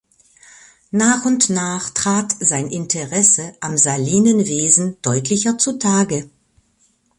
Nach und nach trat sein Interesse am Salinenwesen deutlicher zutage.